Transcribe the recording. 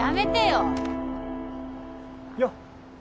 よっ！